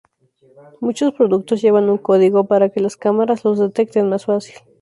Muchos productos llevan un código para que las cámaras los detecten más fácil.